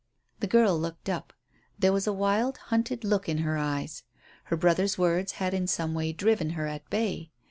The girl looked up. There was a wild, hunted look in her eyes. Her brother's words had in some way driven her at bay.